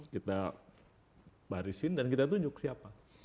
kita barisin dan kita tunjuk siapa